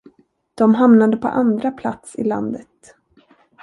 De hamnade på andra plats i landet.